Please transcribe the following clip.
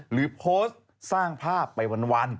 หรือโพสต์สร้างภาพไปวัน